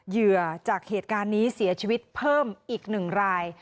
เหยื่อจากเหตุการณ์นี้เสียชีวิตเพิ่มอีก๑ราย